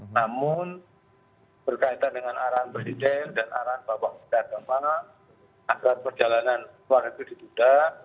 namun berkaitan dengan arahan presiden dan arahan bapak ibu pak yang mana agar perjalanan keluar itu ditunda